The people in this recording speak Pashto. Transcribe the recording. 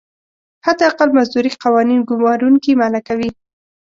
حداقل مزدوري قوانین ګمارونکي منعه کوي.